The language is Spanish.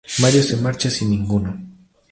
Mario se marcha sin ninguno.